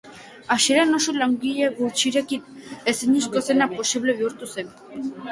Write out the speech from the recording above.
Hasieran oso langile gutxirekin ezinezkoa zena posible bihurtu zen.